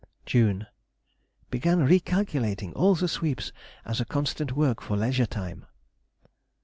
June.—Began re calculating all the sweeps as a constant work for leisure time.